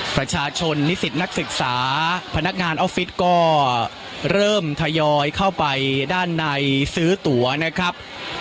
ประชาชนนิสิตนักศึกษาพนักงานออฟฟิศก็เริ่มทยอยเข้าไปด้านในซื้อตัวนะครับ